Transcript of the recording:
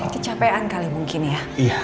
kecapean kali mungkin ya